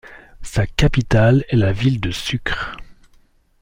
Sa capitale est la ville de Sucre.